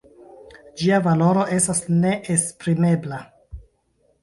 Ĝia valoro estas neesprimebla.